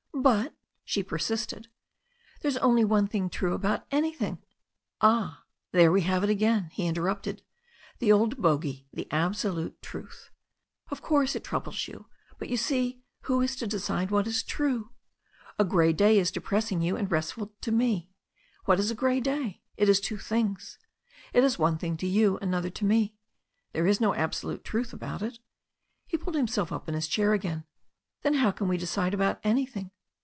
"But," she persisted, "there's only one thing true about an3rthing *' "Ah, there we have it again," he interrupted. "The old bogy, the truth absolute. Of course it troubles you. But, you see, who is to decide what is true ? A grey day is de pressing to you and restful to me. What is a grey day? It is two things. It is one thing to you, another to me. There is no absolute truth about it." He pulled himself up in his chair again. "Then how can one decide about anything?"